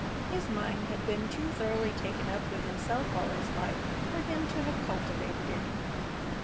His mind had been too thoroughly taken up with himself all his life for him to have cultivated any.